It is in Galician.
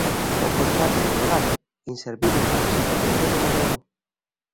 'O contrato homologado, inservíbel para o sector leiteiro galego'.